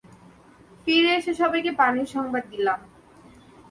ফিরে এসে সবাইকে পানির সংবাদ দিল।